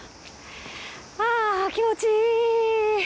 あぁ気持ちいい！